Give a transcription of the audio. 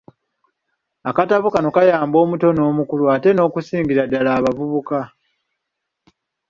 Akatabo kano kayamba omuto n’omukulu ate n’okusingira ddala omuvubuka.